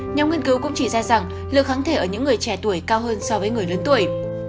nhóm nghiên cứu cũng chỉ ra rằng lượng kháng thể ở những người trẻ tuổi cao hơn so với người lớn tuổi